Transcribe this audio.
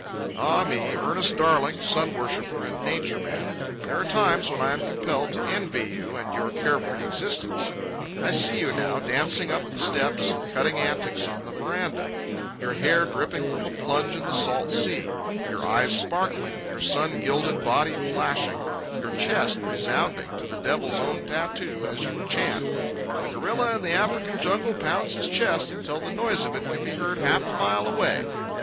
Ah, me, Ernest Darling, sun worshipper and nature man, there are times when I am compelled to envy you and your carefree existence. I see you now, dancing up the steps and cutting antics on the veranda; your hair dripping from a plunge in the salt sea, your eyes sparkling, your sun gilded body flashing, your chest resounding to the devil's own tattoo as you chant: "The gorilla in the African jungle pounds his chest until the noise of it can be heard half a mile away."